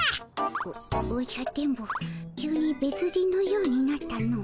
おおじゃ電ボ急に別人のようになったの。